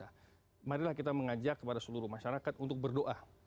dan kemudian marilah kita mengajak kepada seluruh masyarakat untuk berdoa